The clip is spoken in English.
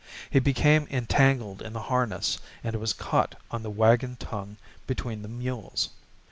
He became entangled in the harness and was caught on the wagon tongue between the mules.